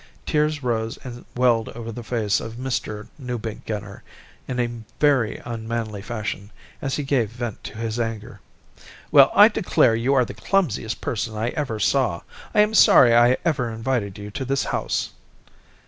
Tears rose and welled over the face of Mr. Newbeginner in a very unmanly fashion as he gave vent to his anger. "Well, I declare, you are the clumsiest person I ever saw. I am sorry I ever invited you to this house."